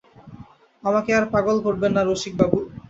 আমাকে আর পাগল করবেন না রসিকবাবু!